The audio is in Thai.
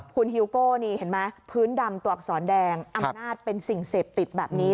คุณฮิวโก้เพิ่งดำตัวกษรแดงอำนาจเป็นสิ่งเสพติดแบบนี้